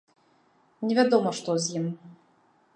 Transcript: Невядома, што з ім.